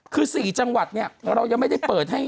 คือ๔จังหวัดเนี่ยเรายังไม่ได้เปิดให้